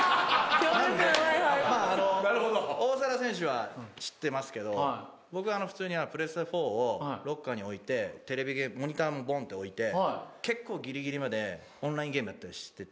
まああの大瀬良選手は知ってますけど僕普通にプレステ４をロッカーに置いてモニターもボンって置いて結構ギリギリまでオンラインゲームやったりしてて。